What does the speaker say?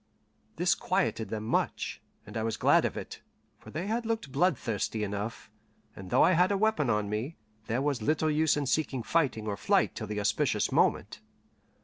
This quieted them much, and I was glad of it, for they had looked bloodthirsty enough, and though I had a weapon on me, there was little use in seeking fighting or flight till the auspicious moment.